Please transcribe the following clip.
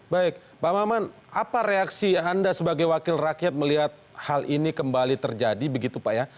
baik pak maman apa reaksi anda sebagai wakil rakyat melihat hal ini kembali terjadi begitu pak ya